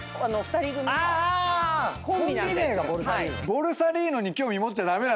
ボルサリーノに興味持っちゃ駄目なの。